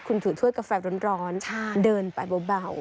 คุณถือถ้วยกาแฟร้อนเดินไปเบา